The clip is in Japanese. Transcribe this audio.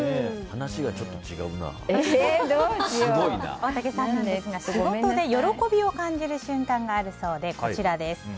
大竹さんは仕事で喜びを感じる瞬間があるそうで、こちらです。